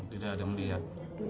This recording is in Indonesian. tidak ada melihat